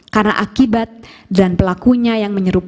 karena akibat dan pelakunya yang menyebabkan